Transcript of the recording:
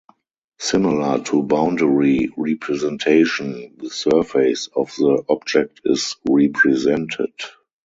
Similar to boundary representation, the surface of the object is represented.